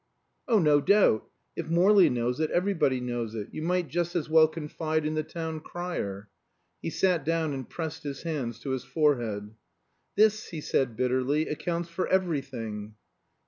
"Oh, no doubt. If Morley knows it everybody knows it. You might just as well confide in the town crier." He sat down and pressed his hands to his forehead. "This," he said bitterly, "accounts for everything."